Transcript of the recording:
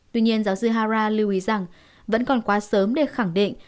tuy nhiên giáo sư hara lưu ý rằng vẫn còn quá sớm để khẳng định